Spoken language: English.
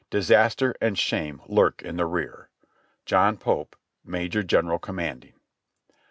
"Disaster and shame lurk in the rear. "John Pope, "Major General Commanding."